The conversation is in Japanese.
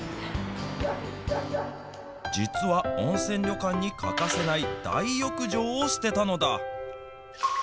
実は温泉旅館に欠かせない大浴場を捨てたのだ。